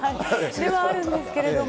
ではあるんですけれども。